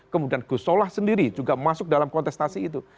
kemudian gus solah sendiri juga masuk dalam kontestasi itu